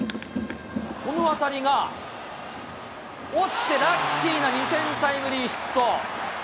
この当たりが、落ちてラッキーな２点タイムリーヒット。